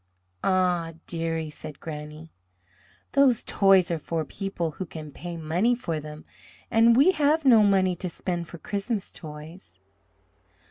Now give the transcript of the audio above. "Ah, dearie," said Granny, "those toys are for people who can pay money for them, and we have no money to spend for Christmas toys."